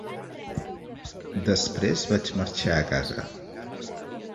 Després vaig marxar a casa.